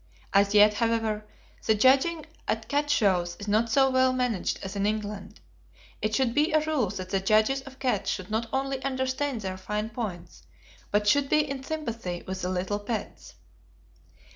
As yet, however, the judging at cat shows is not so well managed as in England. It should be a rule that the judges of cats should not only understand their fine points, but should be in sympathy with the little pets.